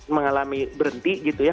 mengalami berhenti gitu ya